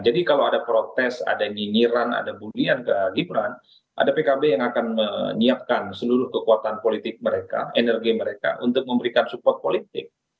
jadi kalau ada protes ada nyinyiran ada bulian ke gibran ada pkb yang akan menyiapkan seluruh kekuatan politik mereka energi mereka untuk memberikan support politik